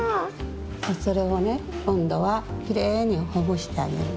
それをねこんどはきれいにほぐしてあげるの。